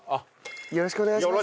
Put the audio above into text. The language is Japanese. よろしくお願いします。